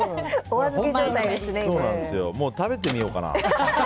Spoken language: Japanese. もう食べてみようかな？